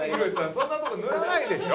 そんなとこ塗らないでしょ！